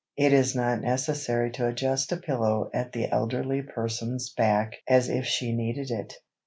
It is not necessary to adjust a pillow at the elderly person's back as if she needed it.